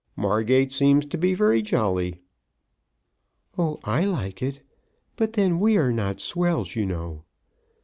"Margate seems to be very jolly." "Oh, I like it. But then we are not swells, you know.